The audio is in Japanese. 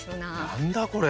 何だこれ。